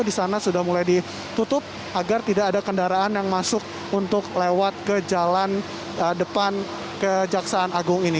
di sana sudah mulai ditutup agar tidak ada kendaraan yang masuk untuk lewat ke jalan depan kejaksaan agung ini